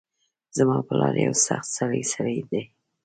زما پلار یو سخت سرۍ سړۍ ده